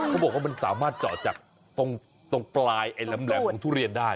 เขาบอกว่ามันสามารถเจาะจากตรงปลายไอ้แหลมของทุเรียนได้